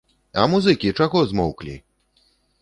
А музыкі чаго змоўклі?!.